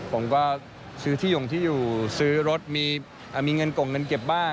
ผมก็ซื้อที่หย่งที่อยู่ซื้อรถมีเงินกงเงินเก็บบ้าง